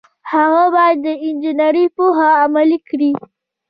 هغه باید د انجنیری پوهه عملي کړي.